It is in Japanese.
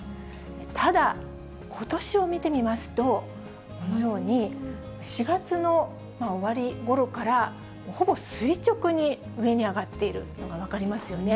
ただ、ことしを見てみますと、このように、４月の終わりごろから、ほぼ垂直に上に上がっているのが分かりますよね。